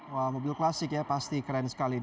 wah mobil klasik ya pasti keren sekali